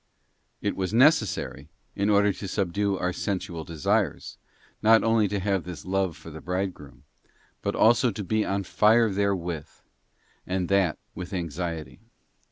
It was necessary, in order to subdue our sensual desires, not only to have this love for the Bridegroom, but also to be on fire therewith, and that with anxiety.